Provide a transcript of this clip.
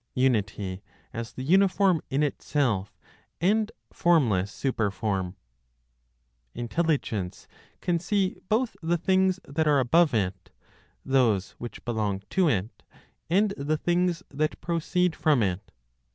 UNITY AS THE UNIFORM IN ITSELF AND FORMLESS SUPERFORM. Intelligence can see both the things that are above it, those which belong to it, and the things that proceed from it.